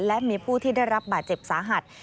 และมีผู้ที่ได้รับบาดเจ็บสาหัส